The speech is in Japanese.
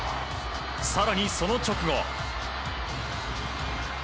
更に、その直後。